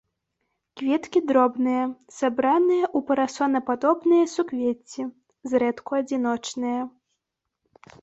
Кветкі дробныя, сабраныя ў парасонападобныя суквецці, зрэдку адзіночныя.